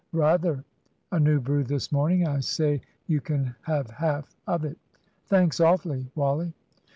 "Rather. A new brew this morning. I say, you can have half of it." "Thanks, awfully, Wally."